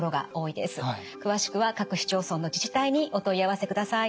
詳しくは各市町村の自治体にお問い合わせください。